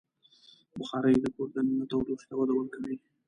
بخاري د کور دننه تودوخې ته وده ورکوي.